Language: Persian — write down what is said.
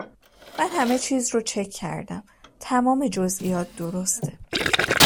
من همه چیز رو چک کردم تمام جزییات درسته